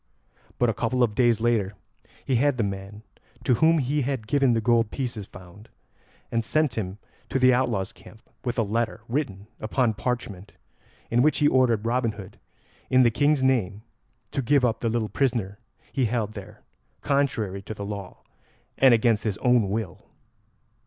But a couple of days later he had the man to whom he had given the gold pieces found, and sent him to the outlaws' camp with a letter written upon parchment, in which he ordered Robin Hood, in the King's name, to give up the little prisoner he held there contrary to the law and against his own will.